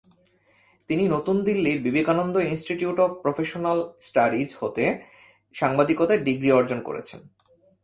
তিনি নতুন দিল্লির Vivekananda Institute of Professional Studies হতে সাংবাদিকতায় ডিগ্রি অর্জন করেছেন।